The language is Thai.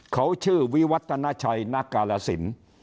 เขาชื่อวิวัตนชัยนาการสิน